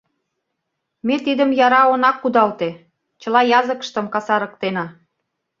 Ме тидым яра она кудалте, чыла языкыштым касарыктена...